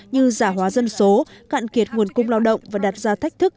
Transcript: như giả hóa dân số cạn kiệt nguồn cung lao động và đặt ra thách thức